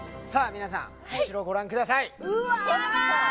皆さん後ろをご覧くださいうわヤバい！